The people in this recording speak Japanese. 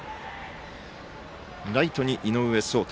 ライトに井上聡太。